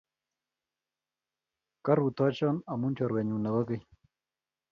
Korutochon amut chorwennyu nepo keny.